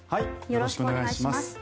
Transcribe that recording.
よろしくお願いします。